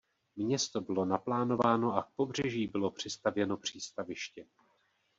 Město bylo naplánováno a k pobřeží bylo přistavěno přístaviště.